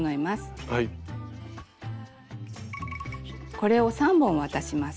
これを３本渡します。